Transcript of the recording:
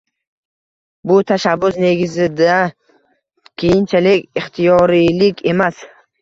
Bu tashabbus negizida keyinchalik ixtiyoriylik emas